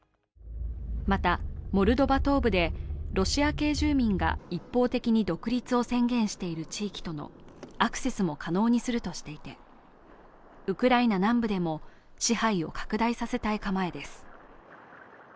また、モルドバ東部でロシア系住民が一方的に独立を宣言している地域とのアクセスも可能にするとしていてウクライナ南部でも支配を拡大させたい構えです。